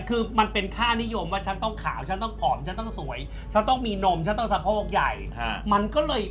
คือมันเป็นค่านิยมว่าฉันต้องขาวฉันต้องผอมฉันต้องสวยฉันต้องมีนมฉันต้องสะโพกใหญ่มันก็เลย